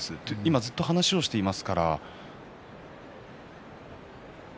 ずっと今話をしています。